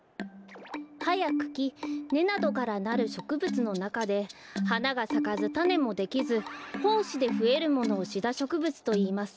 はやくきねなどからなるしょくぶつのなかではながさかずたねもできずほうしでふえるものをシダしょくぶつといいます。